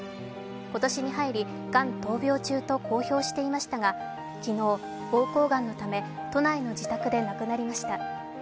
今年に入り、がん闘病中と公表していましたが、昨日、ぼうこうがんのため都内の自宅で亡くなりました。